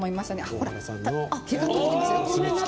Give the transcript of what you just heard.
ほら！